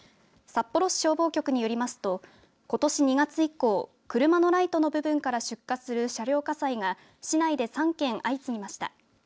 札幌市消防局によりますとことし２月以降車のライトの部分から出火する車両火災が市内で３件相次ぎました。